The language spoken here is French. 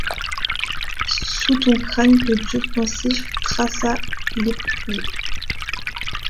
Sous ton crâne que Dieu pensif traça l’épure